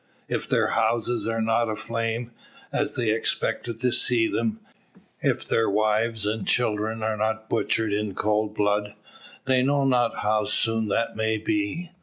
If their houses are not aflame, as they expected to see them if their wives and children are not butchered in cold blood they know not how soon this may be.